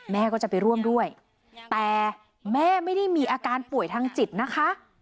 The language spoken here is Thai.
แม่ก็จะไปร่วมด้วยแต่แม่ไม่ได้มีอาการป่วยทางจิตนะคะ